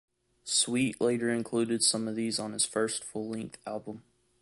Sweet later included some of these on his first full-length album.